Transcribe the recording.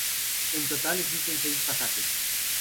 En total existen seis pasajes.